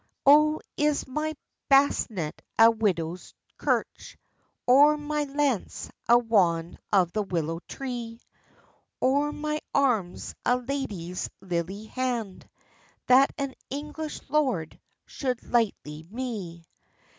"O is my basnet a widow's curch? Or my lance a wand of the willow tree? Or my arm a lady's lilye hand, That an English lord should lightly me?